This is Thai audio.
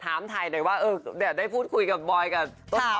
ถามถ่ายหน่อยว่าได้พูดคุยกับบอยกับต้นหอมไงนะ